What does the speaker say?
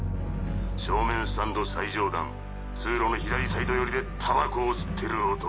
正面スタンド最上段通路の左サイドよりでタバコを吸ってる男。